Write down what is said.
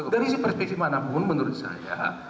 dari sisi perspektif manapun menurut saya